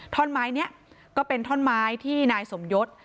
ถ้อนไม้นี้ก็เป็นต้อนไม้ที่ที่ที่นายสมยศ